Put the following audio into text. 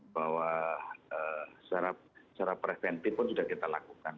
bahwa secara preventif pun sudah kita lakukan